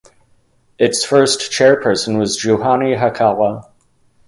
Its first chairperson was Juhani Hakala.